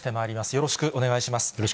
よろしくお願いします。